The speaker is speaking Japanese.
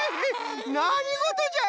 なにごとじゃい？